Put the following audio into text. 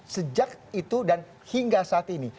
sejak itu dan hingga saat ini